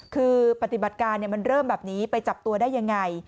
คือปฏิบัติการมันเริ่มแบบนี้ไปจับตัวได้ยังไง